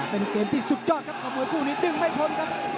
เป็นเกมที่สุดยอดครับกับมวยคู่นี้ดึงไม่พ้นครับ